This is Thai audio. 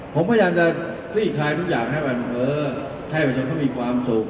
ผมพยายามจะวิทยาลัยทุกอย่างให้มันเพย์ให้มันจะมีความสุข